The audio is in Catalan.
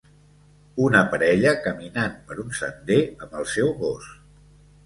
una parella caminant per un sender amb el seu gos